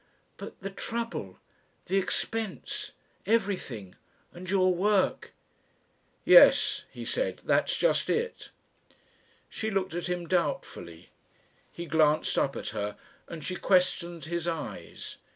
"_ "But the trouble the expense everything and your work?" "Yes," he said, "that's just it." She looked at him doubtfully. He glanced up at her, and she questioned his eyes.